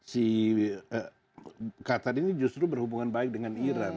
si qatar ini justru berhubungan baik dengan iran